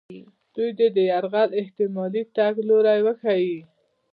دوی دې د یرغل احتمالي تګ لوري وښیي.